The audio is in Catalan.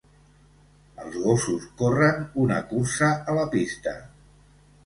Els gossos corren una cursa a la pista.